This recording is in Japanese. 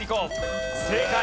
正解。